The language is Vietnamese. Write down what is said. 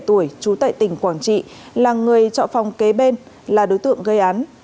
trú tại tỉnh quảng trị là người trọ phòng kế bên là đối tượng gây án